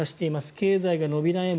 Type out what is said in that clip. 経済が伸び悩む